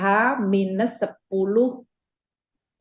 dari hari raya idul fitri